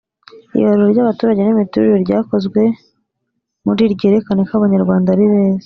Ibarura ry abaturage n imiturire ryakozwe muri ryerekanye ko abanyarwanda ari beza